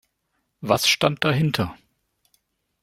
Was stand dahinter?